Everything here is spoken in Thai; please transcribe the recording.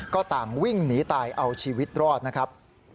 ก็ต่างวิ่งหนีตายเอาชีวิตรอดนะครับ